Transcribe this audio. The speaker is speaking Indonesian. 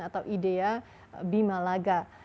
atau idea bima laga